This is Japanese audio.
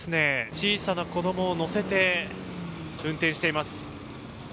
小さな子どもを乗せて運転しています。